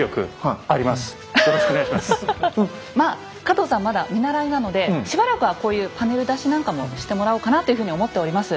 まあ加藤さんまだ見習いなのでしばらくはこういうパネル出しなんかもしてもらおうかなというふうに思っております。